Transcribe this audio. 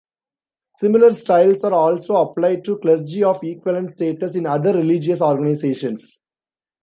Similar styles are also applied to clergy of equivalent status in other religious organisations.